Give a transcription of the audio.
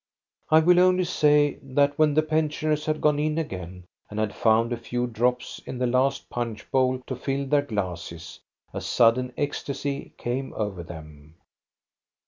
I will only say that when the pensioners had gone in again and had found a few drops in the last punch bowl to fill their glasses, a sudden ecstasy came over them.